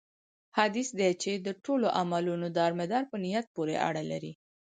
حديث دی چې: د ټولو عملونو دار مدار په نيت پوري اړه لري